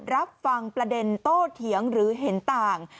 รับฟังประเด็นโต้เถียงหรือเห็นต่าง